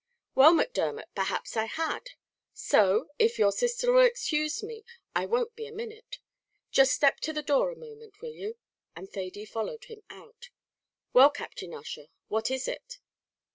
"Well, Macdermot, perhaps I had; so, if your sister 'll excuse me, I won't be a minute. Just step to the door a moment, will you?" and Thady followed him out. "Well, Captain Ussher, what is it?"